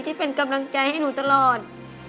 ที่เป็นกำลังใจให้หนูตลอด